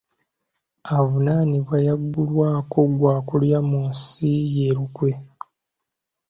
Avunaanibwa yaggulwako gwa kulya mu nsi ye lukwe.